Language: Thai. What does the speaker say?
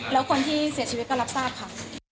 แล้วคนที่เสียชีวิตก็รับทราบค่ะ